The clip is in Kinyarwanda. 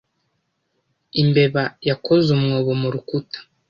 Imbeba yakoze umwobo mu rukuta.